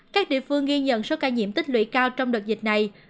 các địa phương ghi nhận số ca nhiễm tích lũy cao trong đợt dịch này